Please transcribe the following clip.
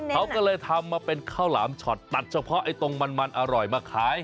เขาก็เลยทำมาเป็นข้าวหลามช็อตตัดเฉพาะไอ้ตรงมันอร่อยมาขาย